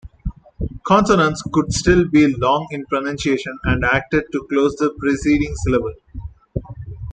Consonants could still be long in pronunciation and acted to close the preceding syllable.